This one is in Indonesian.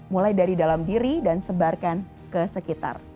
mulai dari dalam diri dan sebarkan ke sekitar